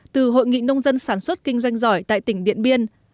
từ hội nghị nông dân sản xuất kinh doanh giỏi tại tỉnh điện biên